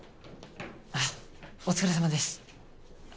あっお疲れさまです。